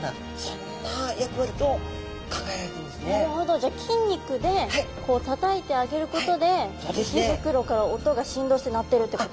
じゃあ筋肉でこうたたいてあげることで鰾から音が振動して鳴ってるってこと？